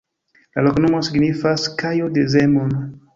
La loknomo signifas: kajo de Zemun.